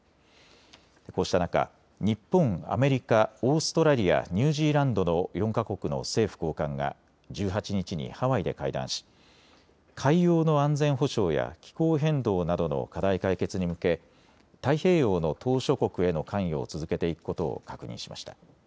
こうした中、日本、アメリカ、オーストラリア、ニュージーランドの４か国の政府高官が１８日にハワイで会談し海洋の安全保障や気候変動などの課題解決に向け太平洋の島しょ国への関与を続けていくことを確認しました。